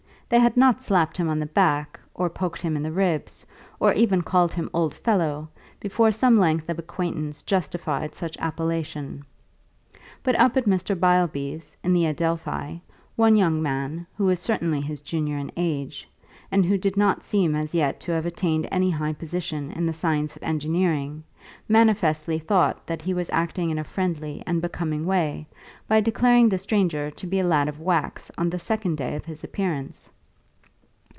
They had not slapped him on the back, or poked him in the ribs, or even called him old fellow, before some length of acquaintance justified such appellation. But up at Mr. Beilby's, in the Adelphi, one young man, who was certainly his junior in age, and who did not seem as yet to have attained any high position in the science of engineering, manifestly thought that he was acting in a friendly and becoming way by declaring the stranger to be a lad of wax on the second day of his appearance.